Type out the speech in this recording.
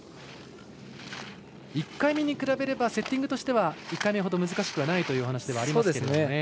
１回目に比べればセッティングとしては１回目ほど難しくないというお話ではありましたけど。